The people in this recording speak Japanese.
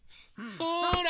ほら！